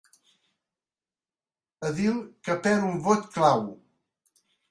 Edil que perd un vot clau.